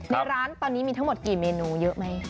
ในร้านตอนนี้มีทั้งหมดกี่เมนูเยอะไหม